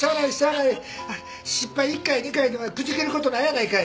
失敗１回や２回でくじけることないやないかい。